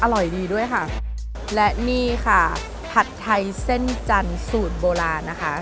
อร่อยดีด้วยค่ะและนี่ค่ะผัดไทยเส้นจันทร์สูตรโบราณนะคะ